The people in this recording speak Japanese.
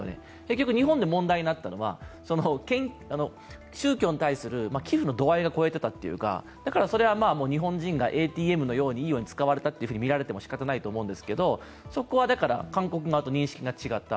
結局日本で問題になったのは宗教に対する寄付の度合いが超えていたというか、だから、日本人がＡＴＭのようにいいように使われたと見られても仕方ないと思うんですけど、そこは韓国側と認識が違った。